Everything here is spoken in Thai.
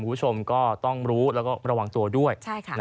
คุณผู้ชมก็ต้องรู้แล้วก็ระวังตัวด้วย